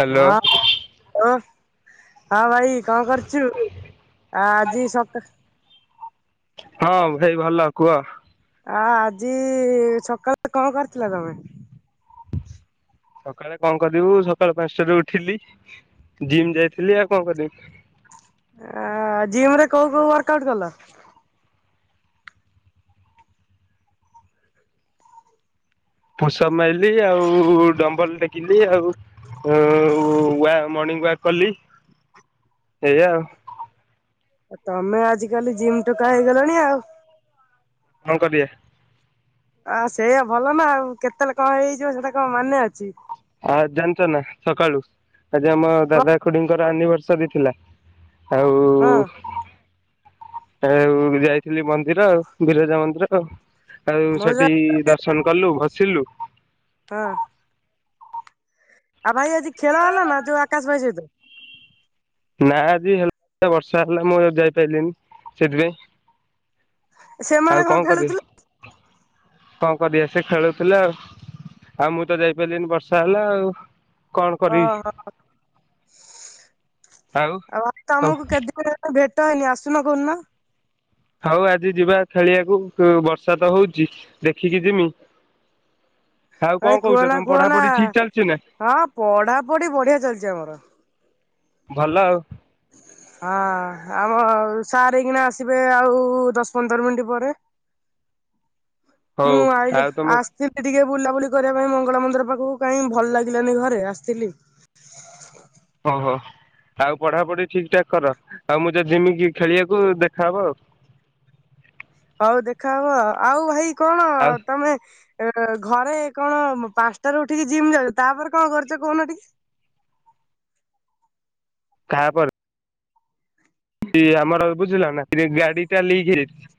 Hello ହଁ ହ ହଁ ଭାଇ କଁ କ ଚୁ ଆଜି ସକା ହଁ ଭାଇ ଭଲ କୁହ? ଆ ଆଜି ସକାଳୁ କଣ କରିଥିଲ ତମେ? ସକାଳେ କଣ କରିବୁ ସକାଳ ପାଞ୍ଚଟାରୁ ଉଠିଲି ଜିମ୍ ଯାଇଥିଲି ଆଉ କଁ କରିବି। ଆ ଜିମରେ କୋଉ କୋଉ ୱାର୍କ ଆଉଟ୍ କଲ? ପୁସ୍ଅପ ମାଇଲି ଆଉ ଡମ୍ବଲ ଟେକିଲି ଆଉ। ଆଉ ୱା ମର୍ଣ୍ଣିଂ ୱାକ୍ କଲି। ଏଇଆା ଆଉ। ତମେ ଆଜିିକାଲି ଜିମ୍ ଟୋକାା ହେଇଗଲାଣି ଆଉ? କଣ କରିଆ? ଆଉ ସେଇଆା ଭଲ ନା ଆଉ, କେତେଲେ କଣ ହେଇଯିବ ସେଇଟା କଣ ମାନେ ଅଛି? ଆଉ ଜାଣିଚ ନା ସକାଳୁ ଆଜି ଆମ କଣ ଦାଦା ଖୁଡିଙ୍କର ଆନିଭର୍ସରୀ ଥିଲା? ଆଉ ହଁ ଆଉ ଯାଇଥିଲି ମନ୍ଦିର ଆଉ। ବିରଜା ମନ୍ଦିର ଆଉ। ଆଉ ମଉସା ସେଠି ଦର୍ଶନ କଲୁ ଭସିଲୁ ହଁ ଆଉ ଭାଇ ଆଜି ଖେଳ ହେଲା ନା, ଯୋଉ ଆକାଶ ଭାଇ ସହିତ? ନା ଆଜି ହେ ବର୍ଷା ହେଲା ମୁଁ ଆଉ ଯାଇପାରିଲିନି ସେଥିପାଇଁ। ସେମାନେ ଆଉ କଣ ଖେଳୁଥିଲେ? କରିବି? କଣ କରିଆ ସେ ଖେଳୁଥିଲା ଆଉ? ଆଉ ମୁଁ ତ ଯାଇପାରିଲିନି ବର୍ଷା ହେଲା ଆଉ। କଣ କରିବି ଓହୋ ଆଉ ତମ ତମକୁ କେତେ ଦିନ୍ ଭେଟ ହେଇନି ଆସୁନ କୋଉଦିନ? ହଉ ଆଜି ଯିବା ଖେଳିଆକୁ ଉ ବର୍ଷା ତ ହଉଛିି ଦେଖିକି ଯିମି ଆଉ କଣ ଭାଇ କହୁଛ କୁହନା ତମ କୁହନା। ପଢାପଢି ଠିକ ଚାଲିଛି ନା ହଁ ପଢା ପଢି ବଢିଆ ଚାଲିଛି ଆମର। ଭଲ ଆଉ। ହଁ ଆମ ସାର୍ ହେଇକିଣା ଆସିବେ ଆଉ ଦଶ ପନ୍ଦର୍ ମିନିଟ୍ ପରେ ହଉ ମୁଁ ଆଇ ଯ୍ ଆଉ ତମେ ଆସ୍ ଥିଲେ ଟିକେ ବୁଲାବୁଲି କରିବା ପାଇଁ ମଙ୍ଗଳା ମନ୍ଦିର ପାଖକୁ କାଇଁ ଭଲ ଲାଗିଲାନି ଘରେ ଆସିଥିଲି ଓହୋ ଆଉ ପଢାପଢି ଠିକ ଠାକ କର ଆଉ। ମୁଁ ଯଦି ଯିମି କିି ଖେଳିବାକୁ, ଦେଖାହବ ଆଉ। ହଉ ଦେଖା ହବ। ଆଉ ଭାଇ କଣ ଆଉ ତମେ ଏଁ ଘରେ କଣ ପାଞ୍ଚ୍ ଟାରୁ ଉଠିକି ଜିମ୍ ଯାଉଛ? ତାପରେ କଣ କରୁଛ କହୁନ ଟିକେ? ତା ପରେ ସି ଆମର ବୁଝିଲ ନା ସେ ଗାଡି ଟା ଲିକ୍ ହେଇଯାଇଛି।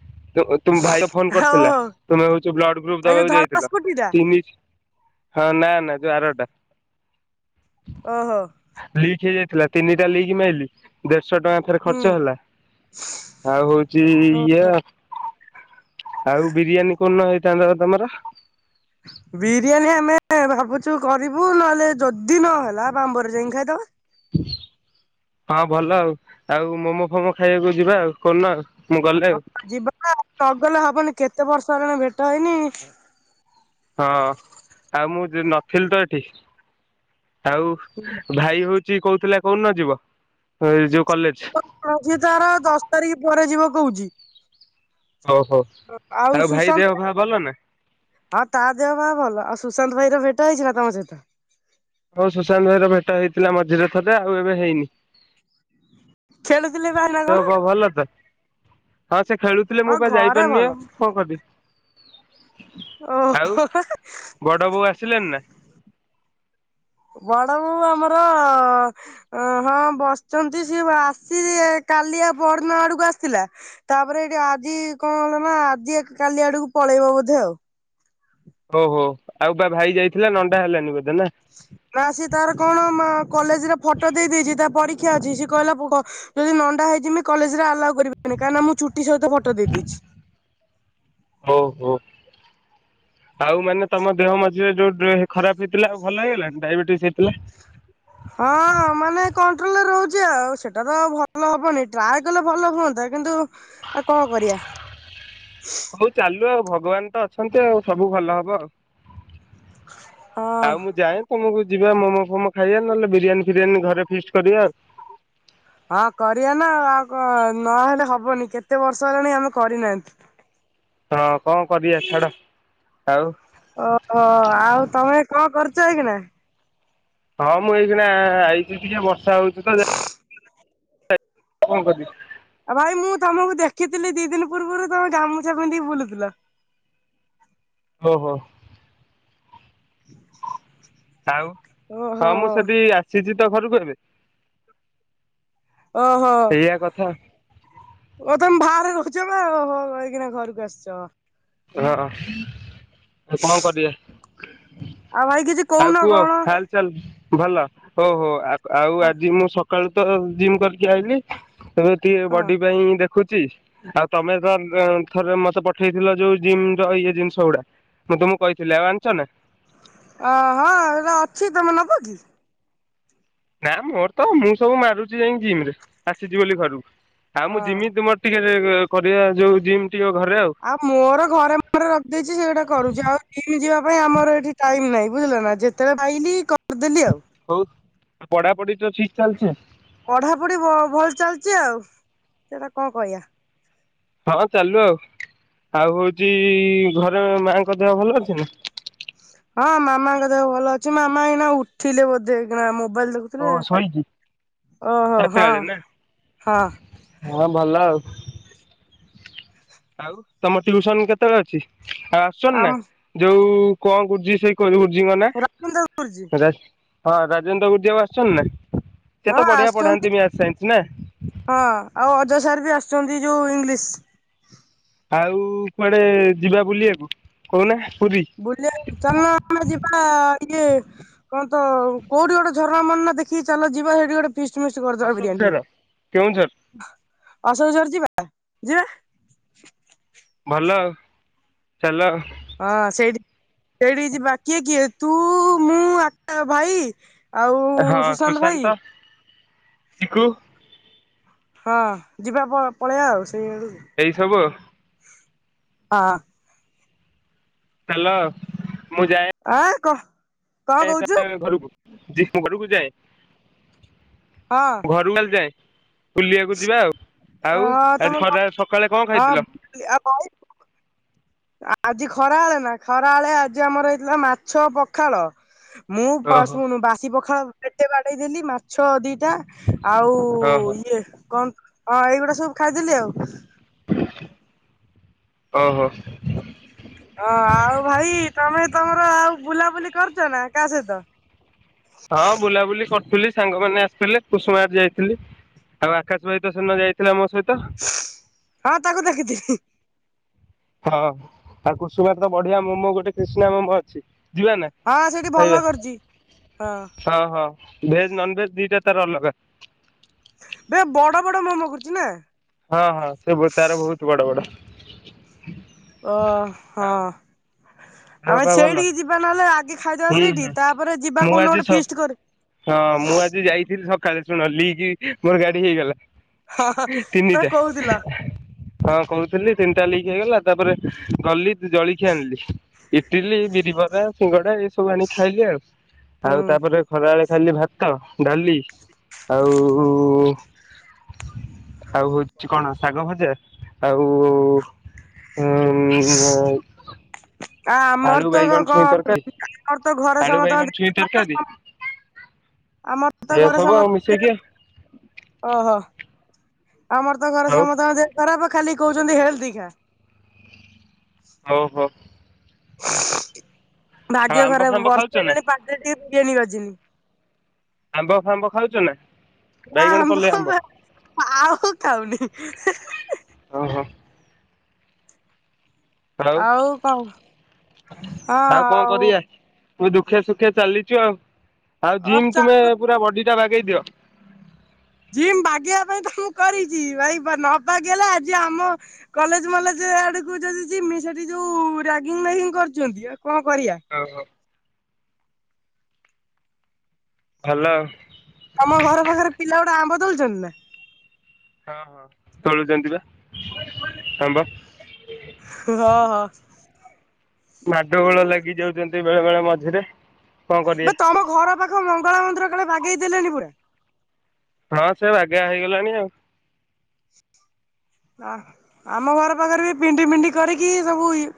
[inaudible] ତୁମ୍ ଭାଇର ଫୋନ ହଉ କରିଥିଲା। ହଉ ତୁମେ ହଉଛ ବ୍ଲଡ ଗ୍ରୁପ ଏଇ ଯୋଉ ଦବାକୁ ଧଳା ଯାଇଥିଲ। ସ୍କୁଟି ଟା ତୁମ୍ ନିଜ୍ ହଁ ନା ନା ଯୋଉ ଆର ଟା। ଓହୋ। ଲିକ୍ ହେଇଯାଇଥିଲା, ତିନିଟା ଲିକ୍ ମାଇଲି। ଆଶ ଟଙ୍କା ଥରେ ହୁଁ ଖର୍ଚ୍ଚ ହେଲା। ଆଉ ହଉଛି ଇଏ ଓହୋ। ଆ ଆଉ ବିରିୟାନୀ କୋଉଦିନ ହେଇଥାନ୍ତା ବା ତମର? ବିରିୟାନୀ ଆମେ ଭାବୁଛୁ କରିବୁ ନହେଲେ ଯଦି ନହେଲା ବାମ୍ବର ଯାଇଁକି ଖାଇଦବା। ହଁ ଭଲ ଆଉ। ଆଉ ମୋମୋ ଫୋମୋ ଖାଇବାକୁ ଯିବା ଆଉ କୋଉଦିନ ଆଉ? ମୁଁ ଗଲେ ଆଉ ହଁ ଯିବା ନଗଲେ ହବନି କେତେ ବର୍ଷ ହେଲାଣି ଭେଟ ହେଇନି ହଁ ଆଉ ଯ ମୁଁ ନଥିଲି ତ ଏଠି ଆଉ ଭାଇ ହଉଛି କହୁଥିଲା କୋଉଦିନ ଯିବ? ଯୋଉ କଲେଜ? ଆଜି ତାର ଦଶ୍ ତାରିକ୍ ପରେ ଯିବ କହୁଛିି। ଓହୋ। ଆଉ ଭାଇ ଦେହ ଫା ଭଲ ନା? ହଁ ତା ଦେହ ପା ଭଲ। ଆଉ ସୁଶାନ୍ତ ଭାଇ ର ଭେଟ ହେଇଛି ନା ତମ ସହିତ? ହଉ ସୁଶାନ୍ତ ଭାଇର ଭେଟ ହେଇଥିଲା ମଝିରେ ଥରେ ଆଉ ଏବେ ହେଇନି। ଖେଳୁଥିଲେ ବା ଏମା ଦେହ ପାଆ ଭଲ ତ ହଁ ସେ ଖେଳୁଥିଲେ ମୁଁ ହଁ ବା ଘରେ ଯାଇପାରୁନି ଭଲ ଆଉ। କଣ କରିବି ଓ ଆଉ ବଡ ବୋଉ ଆସିଲେନି ନା। ବଡ଼ବୋଉ ଆମର ଅ ହଁ ବସିଛନ୍ତି ସିଏ ଆସି କାଲି ଆଉ ପରଦିନ ଆଡକୁ ଆସିଥିଲା। ତାପରେ ଏଇଠି ଆଜି କଣ ହେଲା ନା ଆଜି କାଲି ଆଡକୁ ପଳେଇବ ବୋଧେ ଆଉ। ଓହୋ ଆଉ ବା ଭାଇ ଯାଇଥିଲା ନଣ୍ଡା ହେଲାନି ବୋଧେ ନା? ନା ସିଏ ତାର କଣ ମା କଲେଜରେ ଫଟୋ ଦେଇ ଦେଇେଛି ତା ପରୀକ୍ଷା ଅଛି ସିଏ କହିଲା ଯଦି ନଣ୍ଡା ହେଇଜିମି କଲେଜରେ ଆଲାଉ କରିବେନି କାହିଁକିନା ମୁଁ ଚୁଟି ସହିତ ଫଟୋ ଦେଇଦେଇଛି। ହଉ ହଉ। ଆଉ ମାନେ ତମ ଦେହ ମଝିରେ ଯଉ ଖରାପ ହେଇଥିଲା ଆଉ ଭଲ ହେଇଗଲାଣି? ଡାଇବେଟିସ ହେଇଥିଲା। ହଁ। ମାନେ କଣ୍ଟ୍ରୋଲରେ ରହୁଛି ଆଉ ସେଟା ତ ଭଲ ହବନି ଟ୍ରାଏ କଲେ ଭଲ ହୁଅନ୍ତା। କିନ୍ତୁ ଆଉ କଣ କରିଆ ହଉ ଚାଲୁ ଆଉ ଭଗବାନ ତ ଅଛନ୍ତି ଆଉ ସବୁ ଭଲ ହବ ଆଉ। ହଁ ଆଉ ମୁଁ ଯାଏ ତମକୁ ଯିବା ମୋମୋ ଫୋମୋ ଖାଇବା ନହେଲେ ବିରିୟାନୀ ଫିରିୟାନୀ ଘରେ ଫିଷ୍ଟ କରିବା ଆଉ। ହଁ କରିବା ନା ଆଉ କଣ ନହେଲେ ହବନି କେତେ ବର୍ଷ ହେଲାଣି ଆମେ କରିନାହାନ୍ତି। ହଁ କଣ କରିବା ଛାଡ଼। ଆଉ ଓହୋ ଆଉ ତମେ କଣ କରୁଛ ଏଇ କିିନା? ହଁ ମୁଁ ଏଇକିନା ଆଇଛି ଟିକେ ବର୍ଷା ହଉଛି ତ କଣ କରିବି ଆଉ ଭାଇ ମୁଁ ତମକୁ ଦେଖିଥିଲି ଦି ଦିନ ପୂର୍ବରୁ ତମେ ଗାମୁଛା ପିନ୍ଧିକି ବୁଲୁଥିଲ। ଓହୋ। ଆଉ ହଁ ଓହୋ ମୁଁ ସେଠି ଆସିଛି ତ ଘରକୁ ଏବେ। ଓ ହୋ। ଏଇଆ କଥା ଓ ତମେ ବାହାରେ ରହୁଛ ନା ଏଇକିନା ଘରକୁ ଆସିଛ। ରହ- ରହ। କଣ କରିବା। ଆଉ ଭାଇ କିଛି ଆଉ କହୁନ କୁହ କଣ ଖା ଚାଲ ଭଲ ହଉ ହଉ ଆଉ ହଁ ଆଜି ମୁଁ ସକାଳୁ ତ ଜିମ୍ କରିକି ଆଇଲିି। ଏବେ ଟିକେ ହଁ ବଡି ପାଇଁ ଦେଖ ଦେଖୁଛି ଆଉ ତମେ ତର ଥରେ ମତେ ପଠେଇଥିଲ ଯୋଉ ଜିମର ଇଏ ଜିନିଷ ଗୁଡା ମୁଁ ତମକୁ କହିଥିଲି ଆଉ ଆଣିଛ ନା। ଅ ହଁ ଏଇଟା ଅଛି ତମେ ନେବ କି? ନା ମୋର ତ ମୁଁ ସବୁ ମାରୁଛି ଯାଇ ଜିମରେ ଆସିଛି ବୋଲି ଘରକୁ। ଆଉ ମୁଁ ହଁ ଜିମି ତୁମ ଟିକେ କରିବା ଯୋଉ ଜିମ୍ ଟିକେ ଘରେ ଆଉ। ଆଉ ମୋର ଘରେ ମୋର ରଖିଦେଇଛି ସେଗୁଟା କରୁଛି ଆଉ ଯିବା ପାଇଁ ଆମର ଏଠି ଟାଇମ ନାହିଁ ବୁଝିଲ ନା। ଯେତେ ବେଳେ ପାଇଲି କରିଦେଲି ଆଉ। ହଉ ପଢାପଢି ତ ଠିକ ଚାଲିଚି। ପଢା ପଢି ଭଲ ଚାଲିଛି ଆଉ ସେଟା କଣ କହିବା। ହଁ ଚାଲୁ ଆଉ। ଆଉ ହଉଛି ଘରେ ମାଙ୍କ ଦେହ ଭଲ ଅଛି ନା? ହଁ ମାମାଙ୍କ ଦେହ ଭଲ ଅଛି ମାମା ଏଇନା ଉଠିଲେ ବୋଧେ ନା ମୋବାଇଲ ଦେଖୁ ଓ ଥିଲେ ଶୋଇଛି ଓହୋ ଚାରିଟା ହଁ ବେଳେ ନା ହଁ। ହଁ ଭଲ ଆଉ। ଆଉ ତମ ଟ୍ଯୁସନ କେତେବେଳେ ଅଛି? ଆ ଆସୁଛନ୍ତି ନା ଆମ ଯୋଉ କଣ କରୁଛି ସେଇ ଗୁରୁଜିଙ୍କ ନା? ରବୀନ୍ଦ୍ର ଗୁରୁଜୀ ହଁ ରାଜେନ୍ଦ୍ର ଉଦୋଗ ଆସିଚନ୍ତିନା? ହଁ ଆସୁଚନ୍ତି ହଁ ଆଉ ଅଜୟ ସାର୍ବି ଆସୁଚନ୍ତି ଯୋଉ ଇଂଲିଶ। ଆଉ କୁଆଡ଼େ ଯିବା ବୁଲିବାକୁ କହୁନା ପୁରୀ? ବୁଲିବା ଚାଲୁନ ଆମେ ଯିବା ଟିକେ କଣତ କୋଉଠି ଗୋଟେ ଝରଣା ଫରଣା ଦେଖିକି ଚାଲ ଯିବା ସେଠି ଗୋଟେ ଫିଷ୍ଟ ମିଷ୍ଟ କରିଦବା ବିରିୟାନୀ ଅଶୋକଝର କେଉଁଝର ଅଶୋକଝର ଯିବା ଯିବା। ଭଲ ଚାଲ। ହଁ ସେଇଠି ସେଇଠିକି ଯିବା କିଏ କିଏ ତୁ ମୁଁ ଆକା ଭାଇ। ଆଉ ସୁଶାନ୍ତ ଭାଇ। ଚିକୁ ହଁ ଯିବା ପ ପଳେଇବା ଆଉ ସେଇ ଆଡ଼ୁକୁ। ଏଇ ସବୁ ଆଉ। ହଁ। ଚାଲ ମୁଁ ଯାଏ ଆଁ କଁ [unintelligible] ଘରକୁ ମୁଁ ଘରକୁ ଯାଏ। ହଁ। ଘରୁକୁ ଖାଲି ଯାଏଁ ବୁଲିବାକୁ ଯିବା ଆଉ ଆଉ ହଁ ତମ ଆଜି ଖରା ହଁ ବେଳେ ସକାଳେ କଁ ଖାଇଥିଲ? [unintelligible] ଆଜି ଖରା ବେଳେନା ଖରା ବେଳେ ଆଜି ଆମର ହେଇଥିଲା ମାଛ ପଖାଳ- ମୁଁ ଓହୋ ଶୁଣୁ ବାସି ପଖାଳ ପେଟେ ବାଡେଇ ଦେଲି ମାଛ ଦିଟା ଆଉ ଓ ଓହୋ ଇଏ କଁ ହଁ ଏଇଗୁଡ଼ା ସବୁ ଖାଇଦେଲି ଆଉ। ଓହୋ। ହଁ ଆଉ ଭାଇ ତମେ ତମର ଆଉ ବୁଲାବୁଲି କରୁଚନା କାହା ସହିତ? ହଁ ବୁଲାବୁଲି କର ଖୁଲି ସାଙ୍ଗ ମାନେ ଆସିଥିଲେ କୁସୁମା ଯାଇଥିଲି ଆଉ ଆକାଶ ଭାଇତ ସେଦିନ ଯାଇଥିଲେ ଆମ ସହିତ। ହଁ ତାକୁ ଦେଖିଥିଲି। ହଁ ଆଉ କୁସୁମାରେତ ବଢ଼ିଆ ମୋମୋ ଗୋଟେ କିଷ୍ଣା ମୋମୋ ଅଛି ଯିବାନା? ହଁ ସେଇଠି ଭଲକରୁଚି ହଁ। ହଁ ହଁ ଭେଜ୍ ନନ୍ ଭେଜ୍ ଦିଟା ତାର ଅଲଗା। ବେ ବଡ଼ ବଡ଼ ମୋମୋ କରୁଚିନା। ହଁ ହଁ ସେତାର ବହୁତ୍ ବଡ଼ ବଡ଼। ଓହଁ। [inaudible] ଆମେ ଭଲ ସେଇଠିକି ଯିବା ନହେଲେ ଆଜି ଖାଇଦବା ହୁଁ ସେଇଠି ହୁଁ ତାପରେ ଯିବା ମୁଁ କୋଉଦିନ ଆଜି ଗୋଟେ ସ ଫିଷ୍ଟ୍ କରି ହଁ ମୁଁ ଆଜି ଯାଇଥିଲି ସକାଳେ ଶୁଣ ଲିକି ମୋଗାଡ଼ି ହେଇଗଲା ହଁ ହଁ ତମେ ତିନିଟା। କହୁଥିଲ ହଁ କହୁଥିଲି ତିନିଟା ଲିକି ହେଇଗଲା ତାପରେ ଗଲି ଜଳଖିଆ ଆଣିଲି ଇଟିଲି ବିରିିବରା ସିଙ୍ଗଡ଼ା ଏଇ ସବୁ ଆଣିକି ଖାଇଲି ଆଉ ଆଉ ହୁଁ ତାପରେ ଖରାବେଳେ ଖାଇଲି ଭା ଭାତ ଡାଲି ଆଉ ଆଉ ହଉଚି କଣ ଶାଗ ଭଜା ଆଉ [inaudible] ଉଁ ଆ ଆଳୁ ଆମରତ ବାଇଗଣ କଁ ଛୁଇଁ ତରକାରୀ ଆମରତ ଘରେ ଆଳୁ ବାଇଗଣ ସମସ୍ତଙ୍କ ଛୁଇଁ ତରକାରୀ [unintelligible] ଆମରତ ଏ ଘରେ ସବୁ ଆଉ ସମସ୍ତେ ମିଶେଇକି [unintelligible] ଓହୋ ଆମର୍ ତ ଘର ଆଉ ସମତଙ୍କଯେ ହେରାପା ଖାଲି କହୁଛନ୍ତି ହେଲ୍ ଦିଘା। ଓହୋ। ଆଉ ଭାଗ୍ୟ ଆମ୍ବ ଖରାପ୍ ଫାମ୍ବ ଖାଉଛ ବର୍ଷେ ନା ହେଲାଣି ପାଟିରେ ଟିକେ ବିରିୟାନୀ ବାଜିନି। ଆମ୍ବ ଫାମ୍ବ ଖାଉଚୁ ନା? ହଁ ବାଇଗଣ ପଲେଇ ଆମ୍ବ ବା ଆଉ ଖାଉନି। ଓହୋ। ହାଲୋ ଆଉ କଣ ଆଉ ଙ୍କ କରିଆ? ମୁ ଦୁଃଖେ ସୁଖେ ଚାଲିଛୁ ଆଉ ଆଉ ଜିମ୍ ଆଛା ତୁମେ ପୁରା ବଡି ଟା ବାଗେଇ ଦିଅ। ଜିମ୍ ବାଗେଇିବା ପାଇଁ ତ ମୁଁ କରିଚି ଭାଇ ବା ନ ବାଗେଇଲେ ଆଜି ଆମ କଲେଜ୍ ମଲେଜ୍ ୟାଡକୁ ଯଦି ଯିମି ସେଠି ଯୋଉ ରାଗିଙ୍ଗ୍ ମାଗିଙ୍ଗ୍ କର୍ଚନ୍ତି ଆଉ କଣ କରିବା। ଓହୋ। ହାଲୋ। ତମ ଘର ପାଖେରେ ପିଲା ଗୁଡ଼ା ଆମ୍ବ ତଳୁଚନ୍ତି ନା? ହଁ ହଁ ଚଳୁଚନ୍ତି ବା ହଁ ବା। ହୁ ହ ହ। ମାଡଗୋଳ ଲାଗି ଯାଉଚନ୍ତି ବେଳେ ବେଳେ ମଝିରେ। କଣ କରିବା ବେ ତମ ଘର ପାଖ ମଙ୍ଗଳା ମନ୍ଦିର କାଳେ ବାଗେଇ ଦେଲେଣି ପୁରା? ନ ସେ ବାଗା ହେଇଗଲାଣି ଆଉ। ଅ ଆମ ଘର ପାଖରେ ବି ପିଣ୍ଡି ପିଣ୍ଡି କରିକି ସବୁ ଇ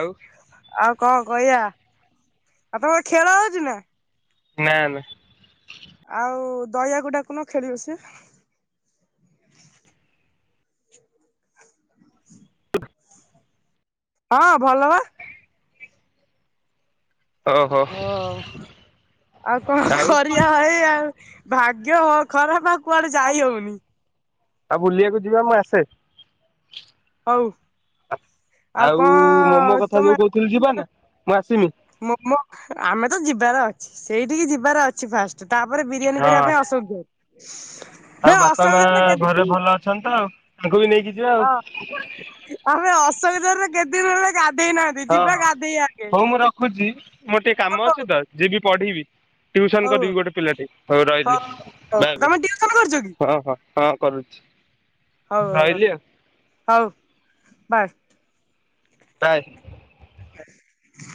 ଆଉ ଆଉ ଙ୍କ କହିବା ଆଉ ତମର ଖେଳ ହଉଛି ନା? ନା ନା ଆଉ ଦୟା କୁ ଡାକୁନ ଖେଳିବ ସେ? [inaudible] ହଁ ଭଲ ବା। ଓହୋ ଆଉ କଣ କରିବା ଭାଇ ଆଉ? ଭାଗ୍ୟ ହ ଖରାପେ ଆଉ କୁଆଡେ ଯାଇ ହଉନି। ଆ ବୁଲିବାକୁ ଯିବା ମୁଁ ଆସେ। ହଉ। ଆଉ ଙ୍କ ମୋମୋ କଥା ତମେ ଯୋଉ କହୁଥିଲି ଯିବା ନା ମୁଁ ଆସିମି ମମୋ ଆମେ ତ ଯିବାର ଅଛି ସେଇଠିକି ଯିବାର ଅଛି ଫାଷ୍ଟେ ତାପରେ ବିରିୟାନୀ ହଁ କରିବା ପାଇଁ ଅସକ୍ଷ। [unintelligible] ଆଉ ବାପା ମାଆ ଘରେ ଭଲ ଅଛନ୍ତି ତ ଆଉ ତାଙ୍କୁ ବି ନେଇକି ଯିବା ଆଉ ହଁ ଆମେ ଅସବିଧାରେ କେତେ ଦିନ୍ ରହିଲେ ଗାଧେଇ ନାହା ହଁ ହଁ ହଉ ମୁଁ ରଖୁଚି ମୋର୍ ଟିକେ କାମ ହଉ ଅଛି ହଉ ତ ଯିବି ପଢିବି। ଟିଉସନ୍ ହଉ କରିବି ଗୋଟେ ପିଲାଟେ ହଉ ରହିଲି ହଉ ବାଗେ ତମେ ଟିଉସନ କରୁଛ କି ହଁ ହଁ ହଁ। କରୁଛି। ହଉ ରଖ ରହିଲି ଆଉ ହଉ ବାଏ। ବାଏ। [unintelligible]